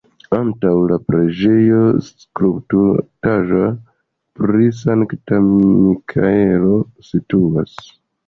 Antaŭ la preĝejo skulptaĵo pri Sankta Mikaelo situas.